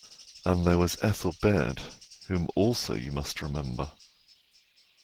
And there was Ethel Baird, whom also you must remember.